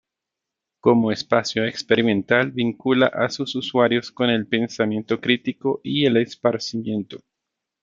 Como espacio experimental, vincula a sus usuarios con el pensamiento crítico y el esparcimiento.